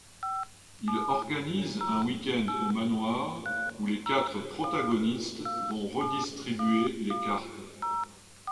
Il organise un week-end au manoir où les quatre protagonistes vont redistribuer les cartes.